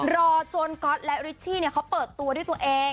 รอจนก๊อตและริชชี่เขาเปิดตัวด้วยตัวเอง